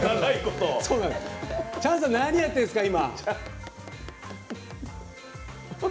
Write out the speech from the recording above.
チャンさん、何やってるんですか今。